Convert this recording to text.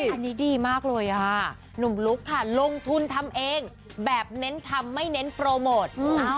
อันนี้ดีมากเลยค่ะหนุ่มลุ๊กค่ะลงทุนทำเองแบบเน้นทำไม่เน้นโปรโมท